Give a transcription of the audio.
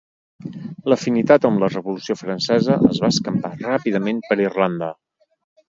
L'afinitat amb la Revolució Francesa es va escampar ràpidament per Irlanda.